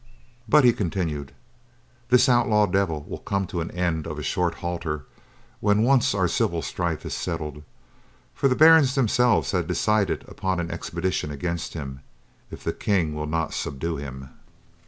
"But," he continued, "this outlaw devil will come to the end of a short halter when once our civil strife is settled, for the barons themselves have decided upon an expedition against him, if the King will not subdue him."